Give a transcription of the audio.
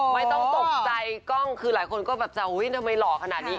ไม่ต้องตกใจกล้องคือหลายคนก็แบบจะอุ๊ยทำไมหล่อขนาดนี้